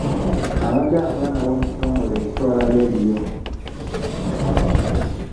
Abadde akola nabo mu kitongole ekitwala leediyo .